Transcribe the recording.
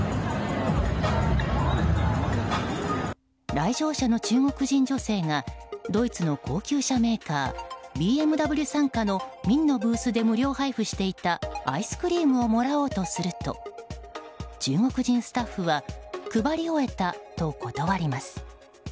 来場者の中国人女性がドイツの高級車メーカーＢＭＷ傘下のＭＩＮＩのブースで無料配布していたアイスクリームをもらおうとすると中国人スタッフは配り終えたと断ります。